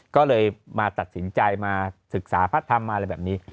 ก็เลยมาตัดสินใจมาศึกษาพระธรรมมาอะไรแบบนี้